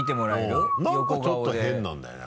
うん何かちょっと変なんだよね。